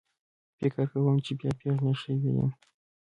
فکر کوم چې بیا پیغله شوې یم